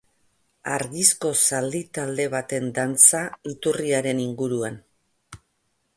Argizko zaldi talde baten dantza iturriaren inguruan.